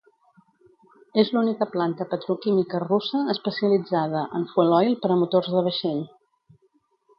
És l'única planta petroquímica russa especialitzada en fueloil per a motors de vaixell.